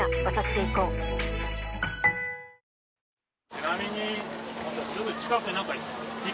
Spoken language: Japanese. ちなみに。